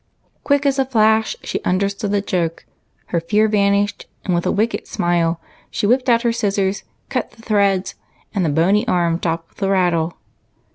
Quick as a flash she understood the joke, her fear vanished, and with a wicked smile, she whipped out her scissors, cut the threads, and the bony arm dropped with a rattle.